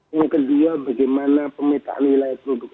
yang kedua bagaimana pemetaan wilayah produk